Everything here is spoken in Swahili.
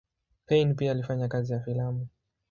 Payn pia alifanya kazi ya filamu.